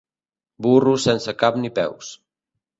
Burro sense cap ni peus.